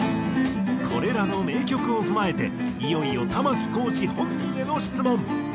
これらの名曲を踏まえていよいよ玉置浩二本人への質問。